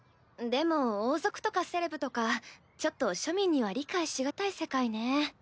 でも王族とかセレブとかちょっと庶民には理解し難い世界ね。